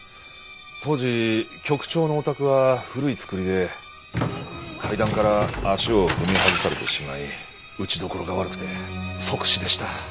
当時局長のお宅は古い造りで階段から足を踏み外されてしまい打ちどころが悪くて即死でした。